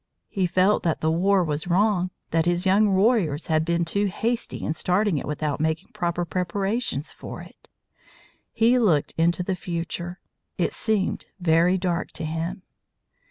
He felt that the war was wrong, that his young warriors had been too hasty in starting it without making proper preparations for it. He looked into the future. It seemed very dark to him.